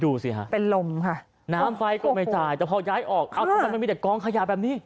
ดูสิฮะเป็นลมค่ะน้ำไฟก็ไม่จ่ายแต่พอย้ายออกเอ้าทำไมมันมีแต่กองขยะแบบนี้